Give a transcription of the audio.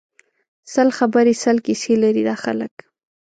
سل خبری سل کیسی لري دا خلک